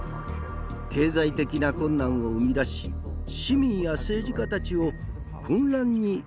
経済的な困難を生み出し市民や政治家たちを混乱に陥れたのです。